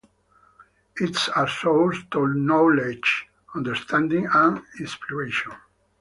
It's a source to knowledge, understanding and inspiration.